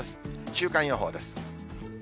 週間予報です。